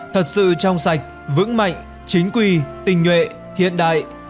thật sự trong sạch vững mạnh chính quy tình nhuệ hiện đại